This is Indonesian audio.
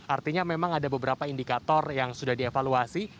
artinya memang ada beberapa indikator yang sudah dievaluasi